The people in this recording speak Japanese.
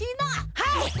はい！